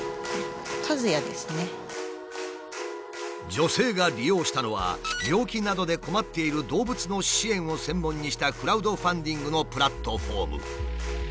女性が利用したのは病気などで困っている動物の支援を専門にしたクラウドファンディングのプラットフォーム。